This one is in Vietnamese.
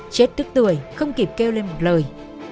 chết tức tươi không kịp kêu lên một lời